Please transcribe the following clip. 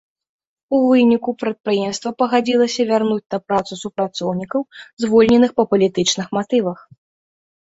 У выніку, прадпрыемства пагадзілася вярнуць на працу супрацоўнікаў, звольненых па палітычных матывах.